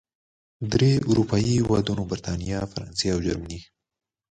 درې اروپايي هېوادونو، بریتانیا، فرانسې او جرمني